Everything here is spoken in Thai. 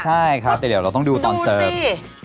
ใช่ครับแต่เดี๋ยวเราต้องดูตอนเสิร์ฟ